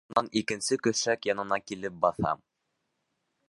Шунан икенсе көшәк янына килеп баҫа: